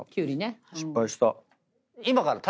失敗した。